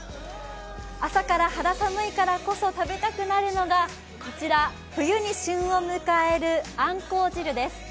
朝から肌寒いからこそ食べたくなるのが、こちら冬に旬を迎えるあんこう汁です。